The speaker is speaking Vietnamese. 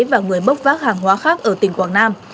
và người bốc vác hàng hóa khác ở tỉnh quảng nam